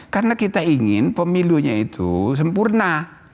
karena kita ingin pemilunya itu sempurna